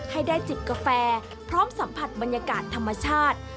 ให้ได้จิบกาแฟพร้อมสัมผัสบรรยากาศธรรมชาติ